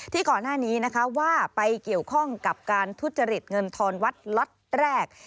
ก่อนหน้านี้นะคะว่าไปเกี่ยวข้องกับการทุจริตเงินทอนวัดล็อตแรก